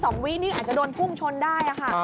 สองวิ้งนี่อาจจะโดนพุ่งชนได้